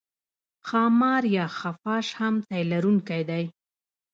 ښامار یا خفاش هم تی لرونکی دی